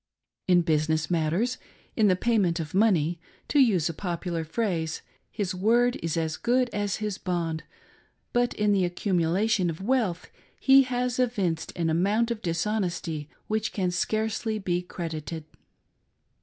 In business matters, in the payment of money — to use a popular phrase — his word is as good as his bond, but in the accumulation of wealth he has evinced an amount of dishonesty which can scarcely be credited.